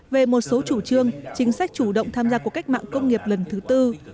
về một số chủ trương chính sách chủ động tham gia cuộc cách mạng công nghiệp lần thứ tư